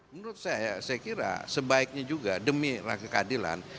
menurut saya saya kira sebaiknya juga demi langkah keadilan